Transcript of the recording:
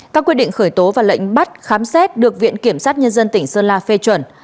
các quyết định khởi tố và lệnh bắt khám xét được viện kiểm sát nhân dân tỉnh sơn la phê chuẩn